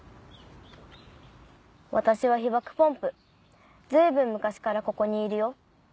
「私は被爆ポンプ随分昔からここにいるよ。